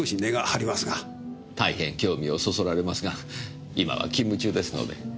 大変興味をそそられますが今は勤務中ですので。